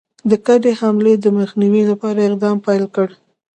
د ګډي حملې د مخنیوي لپاره اقدام پیل کړ.